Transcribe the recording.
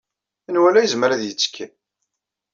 Menwala yezmer ad yettekki.